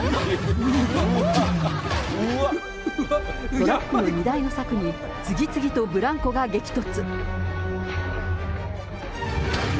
トラックの荷台の柵に次々とブランコが激突。